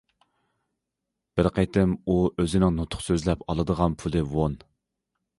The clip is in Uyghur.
بىر قېتىم ئۇ ئۆزىنىڭ نۇتۇق سۆزلەپ ئالدىغان پۇلى ۋون.